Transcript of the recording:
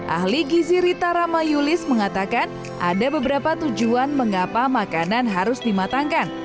ahli gizi rita ramayulis mengatakan ada beberapa tujuan mengapa makanan harus dimatangkan